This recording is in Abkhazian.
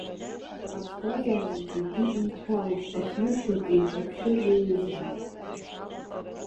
Аԥсҭазаараҿ зегь еидҳәалоуп, ахнышьыр еиҿаԥшьы иаҩызами.